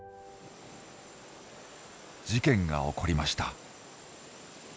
事件が起こりました。